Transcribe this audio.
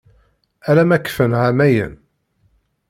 Ala ma kfan εamayen.